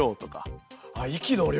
あっ息の量。